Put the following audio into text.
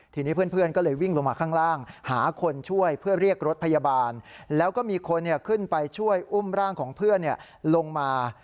ทีนี้เพื่อนก็เลยวิ่งลงมาข้างล่างหาคนช่วยเพื่อเรียกรถพยาบาลแล้วก็มีคนขึ้นไปช่วยอุ้มร่างของเพื่อนลงมา